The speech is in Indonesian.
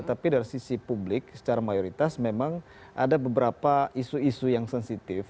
tapi dari sisi publik secara mayoritas memang ada beberapa isu isu yang sensitif